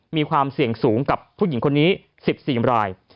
มีความเสี่ยงสูงกับผู้หญิงคนนี้๑๔ราย